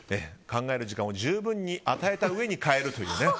考える時間を十分に与えたうえに変えるという。